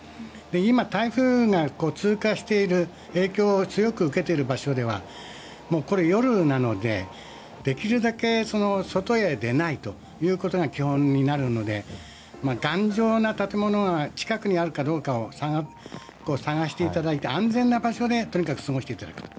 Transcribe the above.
今、台風が通過している影響を強く受けている場所では夜なのでできるだけ外へ出ないということが基本になるので頑丈な建物が近くにあるかを探していただいて安全な場所でとにかく過ごしていただくと。